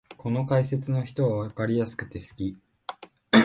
この人の解説はわかりやすくて好き